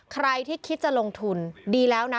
ใครที่คิดจะลงทุนดีแล้วนะ